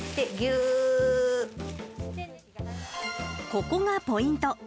ここがポイント。